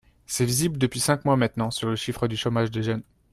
C’est visible depuis cinq mois maintenant sur le chiffre du chômage des jeunes.